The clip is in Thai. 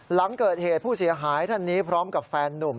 หลังเกิดเหตุผู้เสียหายท่านนี้พร้อมกับแฟนนุ่ม